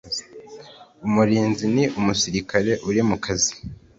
umurinzi ni umusirikare uri mu kazi